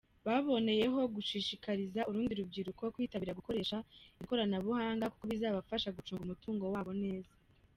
Baboneyeho gushishikariza urundi Rubyiruko kwitabira gukoresha iri koranabuhanga kuko bizabafasha gucunga umutungo wabo neza.